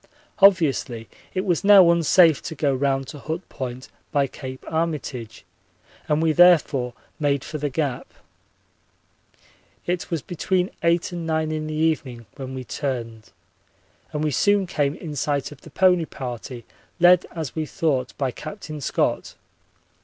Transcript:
Obviously it was now unsafe to go round to Hut Point by Cape Armitage and we therefore made for the Gap. It was between eight and nine in the evening when we turned, and we soon came in sight of the pony party, led as we thought by Captain Scott.